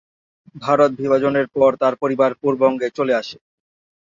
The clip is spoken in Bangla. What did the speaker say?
ভারত বিভাজনের পর তার পরিবার পূর্ববঙ্গে চলে আসে।